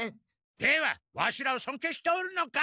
ではワシらをそんけいしておるのか？